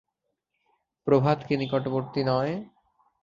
প্রভাত কি নিকটবর্তী নয়?